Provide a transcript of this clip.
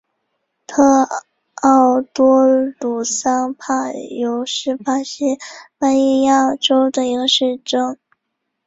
特奥多鲁桑帕尤是巴西巴伊亚州的一个市镇。